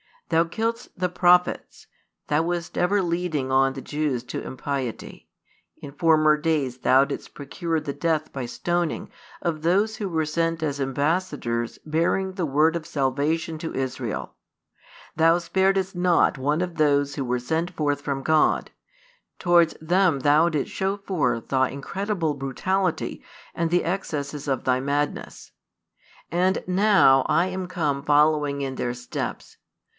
Thou killedst the prophets: thou wast ever leading on the Jews to impiety: in former days thou didst procure the death by stoning of those who were sent as ambassadors bearing the word of salvation to Israel: thou sparedst not one of those who were sent forth from God: towards them thou didst show forth thy incredible brutality and the excesses of thy madness. And now I am come following in their steps.